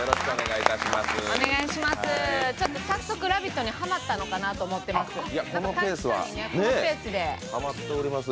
早速「ラヴィット！」にハマったのかなと思っております。